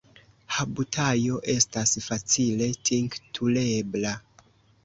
Habutajo estas facile tinkturebla.